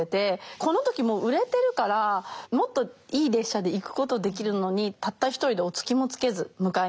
この時もう売れてるからもっといい列車で行くことできるのにたった一人でお付きもつけず向かいます。